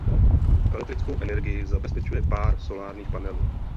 Elektrickou energii zabezpečuje pár solárních panelů.